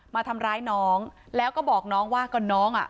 มาทำร้ายน้องแล้วก็บอกน้องว่าก็น้องอ่ะ